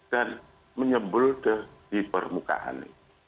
dan menyebel di permukaan